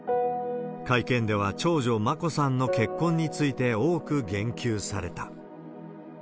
会見では長女、眞子さんの結婚について多く言及された。